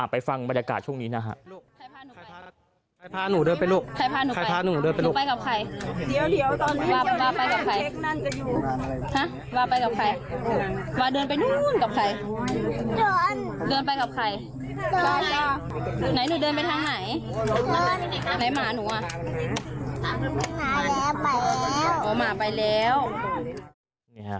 ไปฟังบรรยากาศช่วงนี้นะฮะ